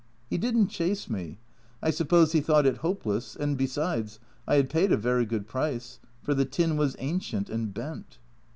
He didn't chase me ; I suppose he thought it hopeless, and besides, I had paid a very good price, for the tin was ancient and bent.